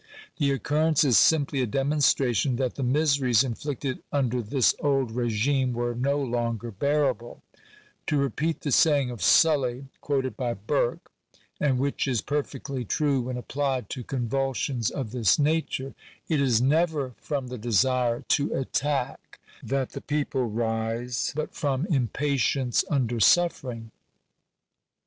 The occurrence is simply a demonstration that the miseries inflicted under this old regime were no longer bearable. To repeat the saying of Sully, quoted by Burke, and which is perfectly true when applied to convulsions of this nature —" It Digitized by VjOOQIC THE CONSTITUTION OF THE STATE. 245 is never from the desire to attack that the people rise, hut from impatience under suffering."